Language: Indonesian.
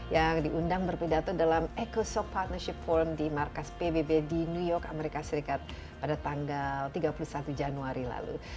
yang diundang berpidato dalam eco so partnership form di markas pbb di new york amerika serikat pada tanggal tiga puluh satu januari lalu